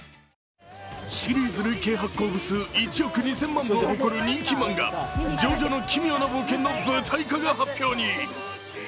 シリーズ累計発行部数１億２０００万部を誇る人気漫画「ジョジョの奇妙な冒険」の舞台化が発表に。